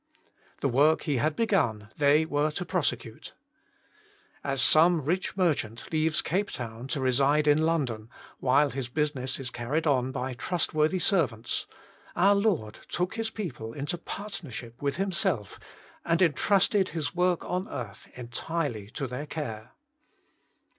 The work He had begun they were to prose cute. As some rich merchant leaves Cape Town to reside in London, while his busi ness is carried on by trustworthy servants, our Lord took His people into partnership with Himself, and entrusted His work on earth entirely to their care.